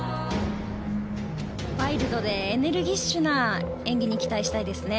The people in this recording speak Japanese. ワイルドでエネルギッシュな演技に期待したいですね。